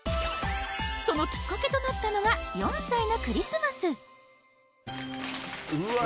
そのきっかけとなったのが４歳のクリスマスうわぁ。